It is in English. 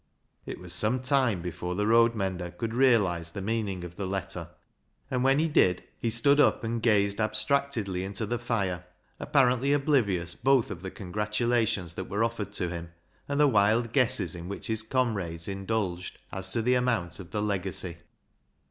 " It was some time before the road mender could realise the meaning of the letter, and when he did, he stood up and gazed abstractedly into the fire, apparently oblivious both of the con gratulations that were offered to him, and the wild guesses in which his comrades indulged as to the amount of the legacy.